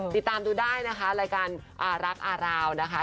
ติดตามดูได้นะคะรายการอารักอาราวนะคะ